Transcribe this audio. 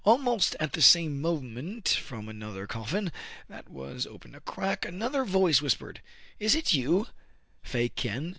Almost at the same moment, from another cof fin that was opened a crack, another voice whis pered, —" Is it you, Fa Kien